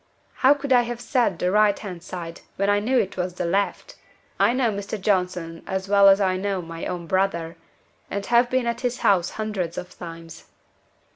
"How could I have said the right hand side when I knew it was the left? I know Mr. Johnson as well as I know my own brother, and have been at his house hundreds of times."